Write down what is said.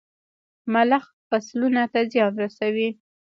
ملخ فصلونو ته زيان رسوي.